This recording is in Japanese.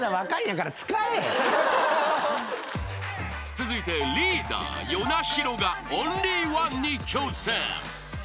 ［続いてリーダー與那城がオンリーワンに挑戦］